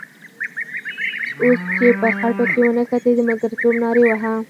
اوس چې په خټو کې ونښتې د ملګرتوب نارې وهې.